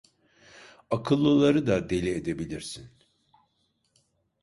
Akıllıları da deli edebilirsin…